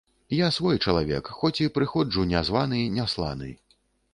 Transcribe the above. Я свой чалавек, хоць і прыходжу не званы, не сланы.